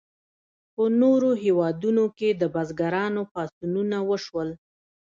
په نورو هیوادونو کې د بزګرانو پاڅونونه وشول.